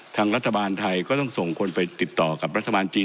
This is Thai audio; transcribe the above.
ทางรัฐบาลไทยก็ต้องส่งคนไปติดต่อกับรัฐบาลจีน